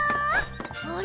あれ？